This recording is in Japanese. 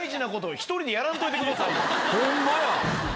ホンマや！